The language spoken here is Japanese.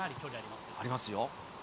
ありますよ。